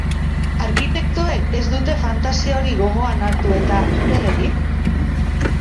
Arkitektoek ez dute fantasia hori gogoan hartu eta, zer egin?